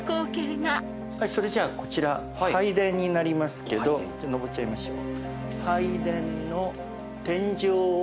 それじゃあこちら拝殿になりますけどのぼっちゃいましょう。